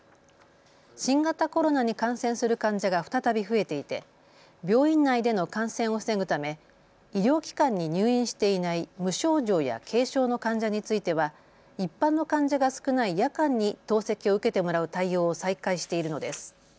新型コロナに感染する患者が再び増えていて病院内での感染を防ぐため医療機関に入院していない無症状や軽症の患者については一般の患者が少ない夜間に透析を受けてもらう対応を再開しているのです。